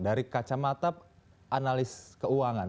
dari kacamata analis keuangan